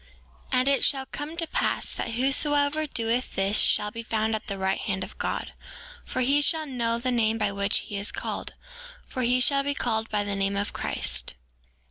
5:9 And it shall come to pass that whosoever doeth this shall be found at the right hand of God, for he shall know the name by which he is called; for he shall be called by the name of Christ.